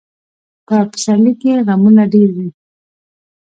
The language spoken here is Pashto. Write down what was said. په پسرلي کې غمونه ډېر وي.